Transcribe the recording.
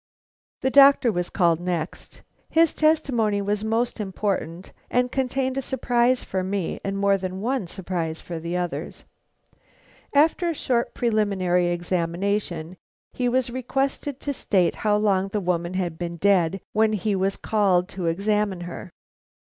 The doctor was called next. His testimony was most important, and contained a surprise for me and more than one surprise for the others. After a short preliminary examination, he was requested to state how long the woman had been dead when he was called in to examine her.